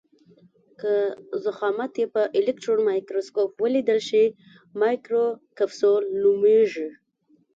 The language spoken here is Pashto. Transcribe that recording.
که ضخامت یې په الکټرون مایکروسکوپ ولیدل شي مایکروکپسول نومیږي.